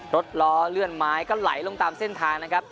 ล้อเลื่อนไม้ก็ไหลลงตามเส้นทางนะครับ